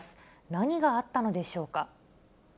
何があったのでしょうか。